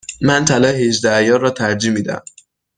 من طلای هجده عیار را ترجیح می دهم.